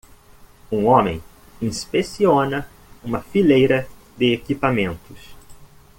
Um homem inspeciona uma fileira de equipamentos.